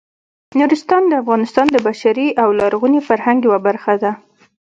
نورستان د افغانستان د بشري او لرغوني فرهنګ یوه برخه ده.